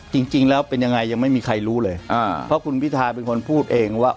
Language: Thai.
จริงแล้วเป็นยังไงยังไม่มีใครรู้เลยอ่าเพราะคุณพิทาเป็นคนพูดเองว่า